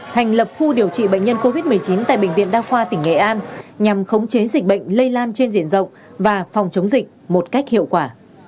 thành lập khu điều trị bệnh nhân covid một mươi chín tại bệnh viện đa khoa tỉnh nghệ an nhằm khống chế dịch bệnh lây lan trên diện rộng và phòng chống dịch một cách hiệu quả